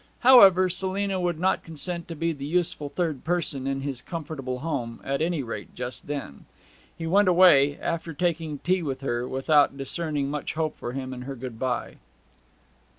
However, Selina would not consent to be the useful third person in his comfortable home at any rate just then. He went away, after taking tea with her, without discerning much hope for him in her good bye.